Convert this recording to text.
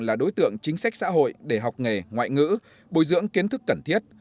là đối tượng chính sách xã hội để học nghề ngoại ngữ bồi dưỡng kiến thức cần thiết